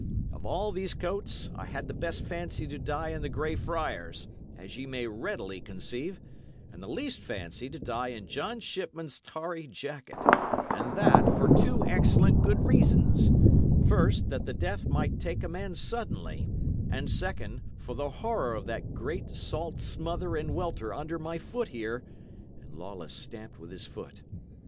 Of all these coats, I had the best fancy to die in the Grey Friar's, as ye may readily conceive, and the least fancy to die in John Shipman's tarry jacket; and that for two excellent good reasons: first, that the death might take a man suddenly; and second, for the horror of that great, salt smother and welter under my foot here" and Lawless stamped with his foot.